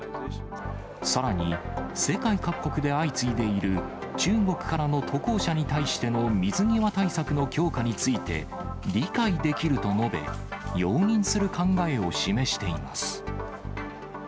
さらに、世界各国で相次いでいる中国からの渡航者に対しての水際対策の強化について、理解できると述べ、容認する考えを示しています。